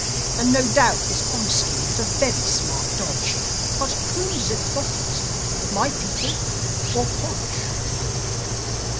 And, no doubt, this Og scheme was a very smart dodge. But whom does it profit my people, or Podge?"